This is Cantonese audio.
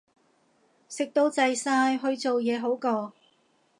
食到滯晒，去做嘢好過